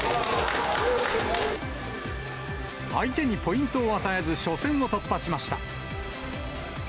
相手にポイントを与えず初戦を突破しました。